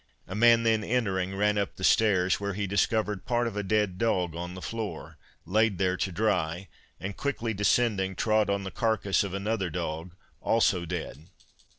A man then entering, ran up stairs, where he discovered part of a dead dog on the floor, laid there to dry, and quickly descending, trod on the carcass of another dog also dead.